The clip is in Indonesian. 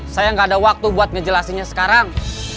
saya nggak ada waktu buat ngejelasinnya sekarang